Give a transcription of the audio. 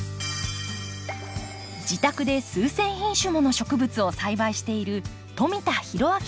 自宅で数千品種もの植物を栽培している富田裕明さん。